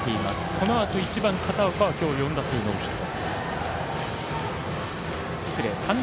このあと、１番、片岡は今日３打数ノーヒット。